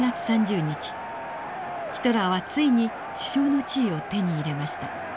ヒトラーはついに首相の地位を手に入れました。